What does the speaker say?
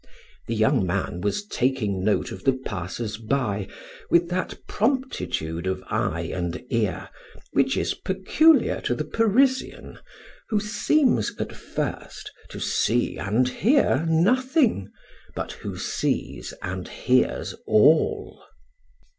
The young man was taking note of the passers by with that promptitude of eye and ear which is peculiar to the Parisian who seems, at first, to see and hear nothing, but who sees and hears all.